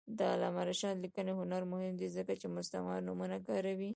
د علامه رشاد لیکنی هنر مهم دی ځکه چې مستعار نومونه کاروي.